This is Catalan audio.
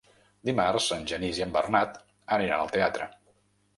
Dimarts en Genís i en Bernat aniran al teatre.